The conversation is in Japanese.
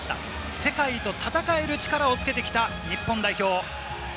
世界と戦える力をつけてきた日本代表。